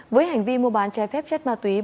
với hành vi mua bán trái phép chất ma túy